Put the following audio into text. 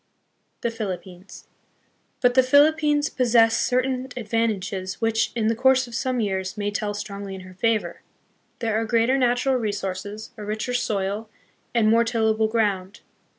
The Philippines. But the Philippines possess certain advantages which, in the course of some years, may tell strongly in her favor. There are greater natural resources, a richer soil, and more tillable ground.